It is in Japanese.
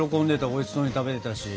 おいしそうに食べてたし。